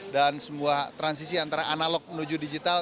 dan semua transisi antara analog menuju digital